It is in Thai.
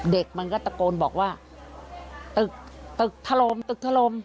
เด็กมันก็ตะโกนบอกว่าตึกตึกถล่มตึกถล่ม